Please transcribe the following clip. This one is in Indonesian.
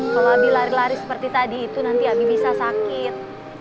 kalau abi lari lari seperti tadi itu nanti abi bisa sakit